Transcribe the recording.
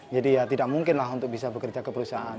jadi tidak mungkin untuk bisa bekerja ke perusahaan